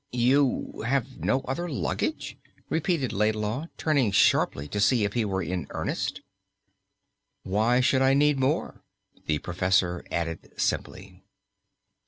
"You have no other luggage?" repeated Laidlaw, turning sharply to see if he were in earnest. "Why should I need more?" the professor added simply.